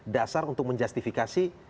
dasar untuk menjustifikasi